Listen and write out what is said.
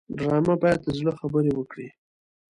ډرامه باید د زړه خبرې وکړي